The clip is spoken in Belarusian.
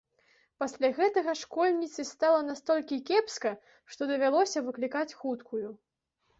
Пасля гэтага школьніцы стала настолькі кепска, што давялося выклікаць хуткую.